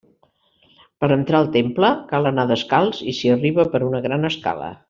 Per entrar al temple cal anar descalç i s'hi arriba per una gran escala.